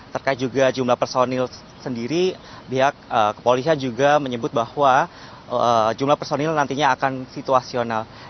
terkait juga jumlah personil sendiri pihak kepolisian juga menyebut bahwa jumlah personil nantinya akan situasional